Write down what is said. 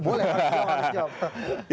boleh harus jawab